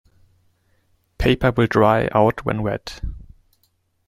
Paper will dry out when wet.